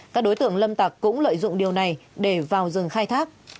các đối tượng lâm tặc cũng lợi dụng điều này để vào rừng khai thác